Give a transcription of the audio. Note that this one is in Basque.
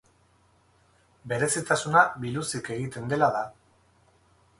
Berezitasuna biluzik egiten dela da.